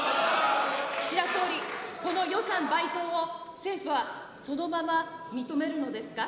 岸田総理、この予算倍増を、政府はそのまま認めるのですか。